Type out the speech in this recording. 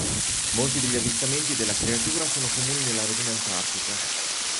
Molti degli avvistamenti della creatura sono comuni nella regione antartica.